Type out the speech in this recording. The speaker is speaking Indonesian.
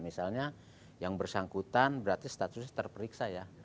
misalnya yang bersangkutan berarti statusnya terperiksa ya